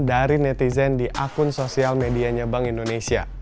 dari netizen di akun sosial medianya bank indonesia